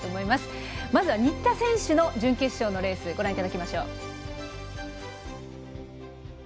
まずは新田選手の準決勝のレースご覧いただきましょう。